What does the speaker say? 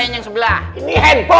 boleh dijajal boleh dicoba